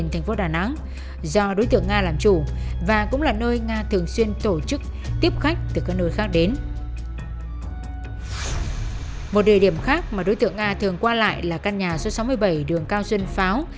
hội tống đối tượng nga khi nga từ hà nội vào